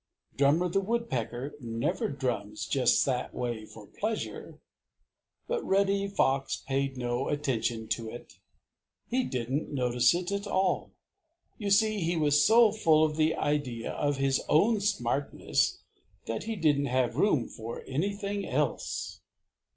Drummer the Woodpecker never drums just that way for pleasure. But Reddy Fox paid no attention to it. He didn't notice it at all. You see, he was so full of the idea of his own smartness that he didn't have room for anything else.